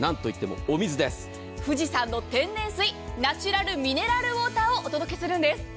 富士山の天然水ナチュラルミネラルウォーターをお届けするんです。